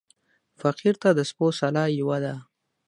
فقير ته د سپو سلا يوه ده.